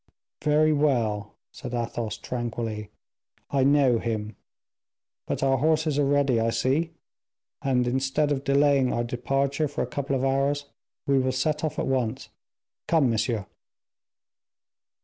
"Very well," said Athos, tranquilly, "I know him. But our horses are ready, I see; and, instead of delaying our departure for a couple of hours, we will set off at once. Come, monsieur."